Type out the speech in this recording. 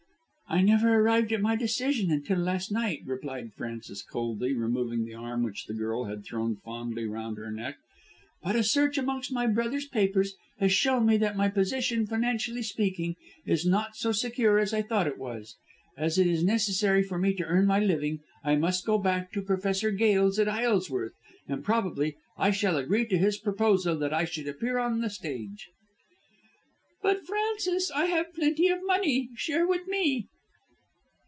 "I never arrived at any decision until last night," replied Frances coldly, removing the arm which the girl had thrown fondly round her neck. "But a search amongst my brother's papers has shown me that my position financially speaking is not so secure as I thought it was. As it is necessary for me to earn my living I must go back to Professor Gail's at Isleworth, and probably I shall agree to his proposal that I should appear on the stage." "But, Frances, I have plenty of money. Share with me."